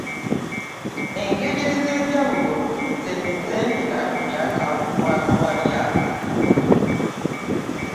Engeri ez'enjawulo ze nzize mpita ku lwa Kawalya.